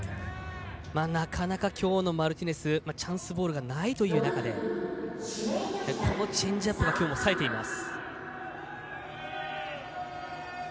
きょうのマルティネスチャンスボールがないという中でチェンジアップがさえています。